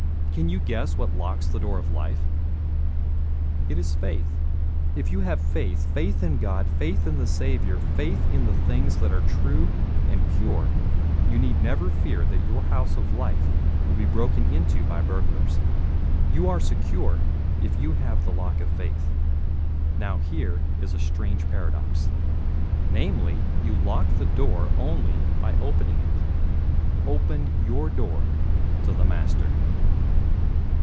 Can you guess what locks the door of life? It is faith. If you have faith, faith in God, faith in the Saviour, faith in things that are true and pure, you need never fear that your house of life will be broken into by burglars. You are secure if you have the lock of faith. Now here is a strange paradox, namely you lock your door only by opening it. Open your door to the Master.